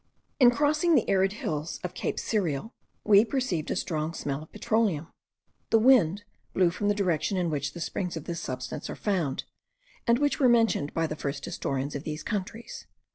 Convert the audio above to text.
In crossing the arid hills of Cape Cirial, we perceived a strong smell of petroleum. The wind blew from the direction in which the springs of this substance are found, and which were mentioned by the first historians of these countries.